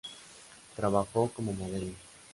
Trabajó como modelo.